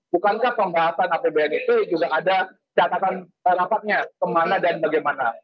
bukankah pembahasan apbn itu juga ada catatan rapatnya kemana dan bagaimana